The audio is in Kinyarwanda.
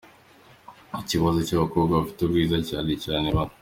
Ku kibazo cyabakobwa bafite ubwiza cyane cyane ba.